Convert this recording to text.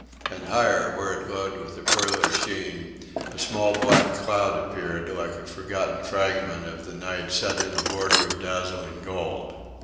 And higher, where it glowed with a pearly sheen, a small black cloud appeared, like a forgotten fragment of the night set in a border of dazzling gold.